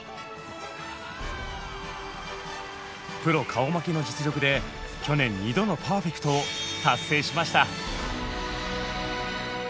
プロ顔負けの実力で去年２度のパーフェクトを達成しました。